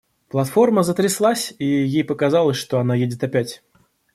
Платформа затряслась, и ей показалось, что она едет опять.